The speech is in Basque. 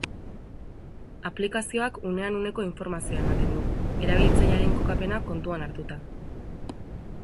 Aplikazioak unean uneko informazioa ematen du, erabiltzailearen kokapena kontuan hartuta.